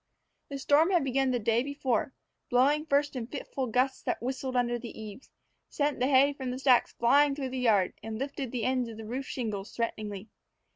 The storm had begun the day before, blowing first in fitful gusts that whistled under the eaves, sent the hay from the stacks flying through the yard, and lifted the ends of the roof shingles threateningly.